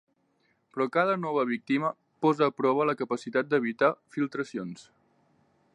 Però cada nova víctima posa a prova la capacitat d'evitar filtracions.